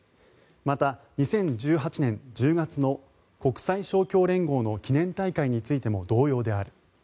また、２０１８年１０月の国際勝共連合の記念大会についても同様である。